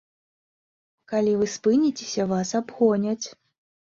Калі вы спыніцеся, вас абгоняць.